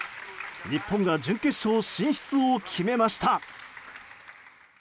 日本が準決勝進出を決めました。